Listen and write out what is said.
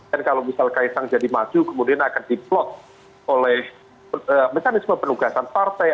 dan kalau misal kseng jadi maju kemudian akan diplot oleh mekanisme penugasan partai